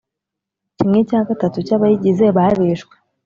kimwe cya gatatu cy’ abayigize barishwe